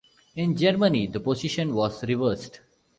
In Germany the position was reversed.